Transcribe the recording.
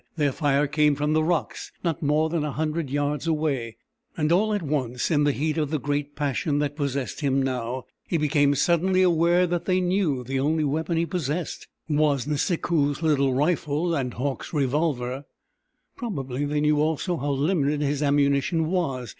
Their fire came from the rocks not more than a hundred yards away, and all at once, in the heat of the great passion that possessed him now, he became suddenly aware that they knew the only weapon he possessed was Nisikoos' little rifle and Hauck's revolver. Probably they knew also how limited his ammunition was.